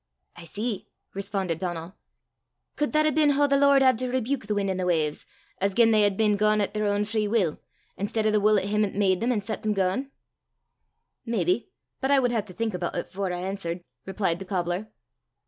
"I see!" responded Donal. "Could that hae been hoo the Lord had to rebuke the win's an' the wawves, as gien they had been gaein' at their ain free wull, i'stead o' the wull o' him 'at made them an' set them gaein'?" "Maybe; but I wud hae to think aboot it afore I answert," replied the cobbler.